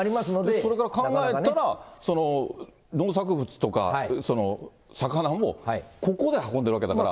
それから考えたら、農作物とか魚もここで運んでるわけだから。